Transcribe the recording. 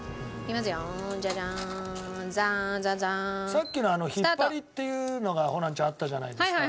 さっきのひっぱりっていうのがホランちゃんあったじゃないですか。